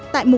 tại mục hai